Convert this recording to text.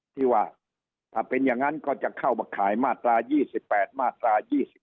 ที่ว่าถ้าเป็นอย่างนั้นก็จะเข้ามาขายมาตรา๒๘มาตรา๒๔